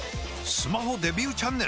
スマホデビューチャンネル！？